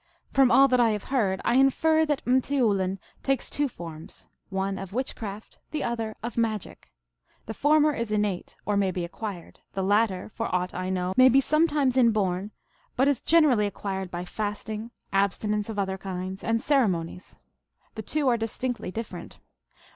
From all that I have heard I infer that m teoulin takes two forms, one of witchcraft, the other of magic. The former is innate, or may be acquired ; the latter, for aught 1 know, may be sometimes inborn, but is generally ac quired by fasting, abstinence of other kinds, and cer emonies. The two are distinctly different.